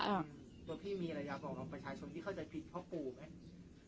ตัวพี่มีอะไรอยากบอกน้องประชาชนที่เข้าใจผิดพ่อปู่ไหม